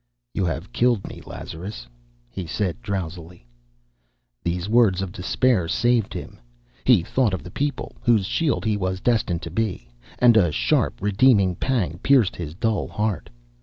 "You have killed me, Lazarus," he said drowsily. These words of despair saved him. He thought of the people, whose shield he was destined to be, and a sharp, redeeming pang pierced his dull heart.